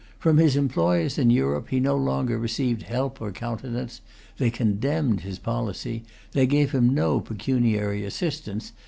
From his employers in Europe he no longer received help or countenance. They condemned his policy. They gave him no pecuniary assistance.